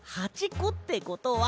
こってことは。